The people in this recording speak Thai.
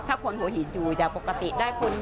ถ้าคนหัวหินอยู่อย่างปกติได้คน